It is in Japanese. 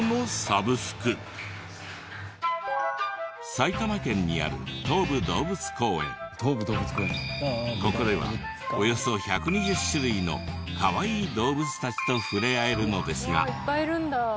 埼玉県にあるここではおよそ１２０種類のかわいい動物たちと触れ合えるのですが。